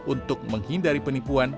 untuk menghindari penipuan